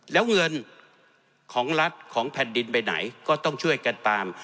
แล้วเงินของรัฐของแผ่นดินไปไหนก็ต้องช่วยกันตาม